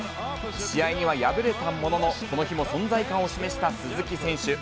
試合には敗れたものの、この日も存在感を示した鈴木選手。